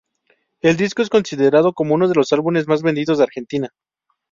El disco es considerado como uno de los álbumes más vendidos de Argentina.